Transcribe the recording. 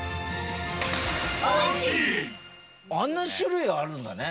あんなに種類あるんだね。